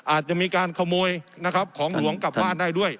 อาจจะมีการขโมยนะครับของหลวงกลับบ้านได้ด้วย